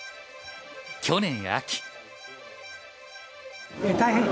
去年秋。